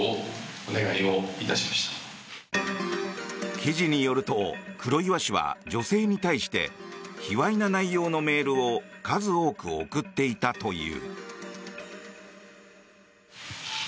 記事によると黒岩氏は女性に対してひわいな内容のメールを数多く送っていたという。